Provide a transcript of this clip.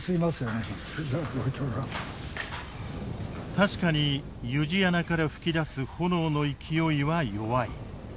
確かに湯路穴から噴き出す炎の勢いは弱い。